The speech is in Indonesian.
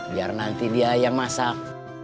biar nanti dia yang masak